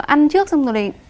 ăn trước xong rồi